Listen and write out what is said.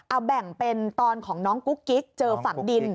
เอาแบ่งเป็นตอนของน้องกุ๊กกิ๊กเจอฝั่งดิน